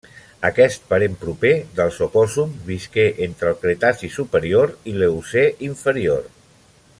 Aquest parent proper dels opòssums visqué entre el Cretaci superior i l'Eocè inferior.